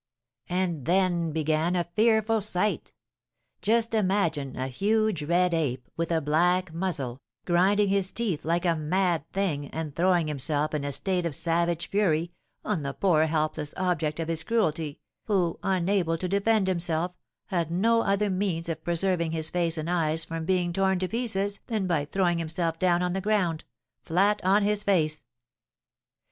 "And then began a fearful sight! Just imagine a huge red ape, with a black muzzle, grinding his teeth like a mad thing, and throwing himself, in a state of savage fury, on the poor helpless object of his cruelty, who, unable to defend himself, had no other means of preserving his face and eyes from being torn to pieces than by throwing himself down on the ground, flat on his face.